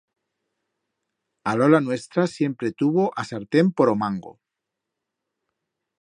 A lola nuestra siempre tuvo a sartén por o mango.